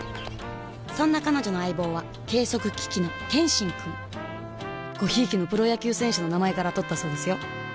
そんな彼女の相棒は計測機器の「ケンシン」くんご贔屓のプロ野球選手の名前からとったそうですよ